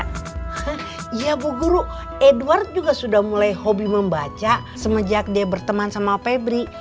iya bu guru edward juga sudah mulai hobi membaca semenjak dia berteman sama pebri